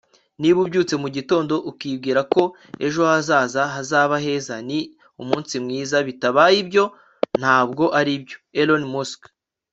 niba ubyutse mugitondo ukibwira ko ejo hazaza hazaba heza, ni umunsi mwiza. bitabaye ibyo, ntabwo aribyo. - elon musk